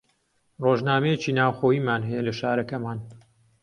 ڕۆژنامەیەکی ناوخۆییمان هەیە لە شارەکەمان